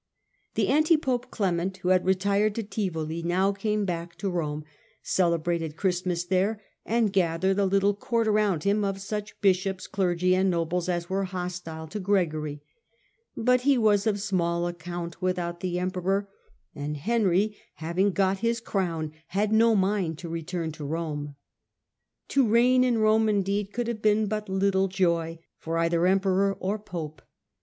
The anti pope Clement, who had retired to Tivoli, now came back to Rome, celebrated Christmas there, and gathered a little court around him of such bishops, clergy, and nobles as were hostile to Gregory ; but he was of small account without the emperor, and Henry having got his crown had no mind to return to Rome. To reign in Rome, indeed, could have been but little joy for either emperor or pope.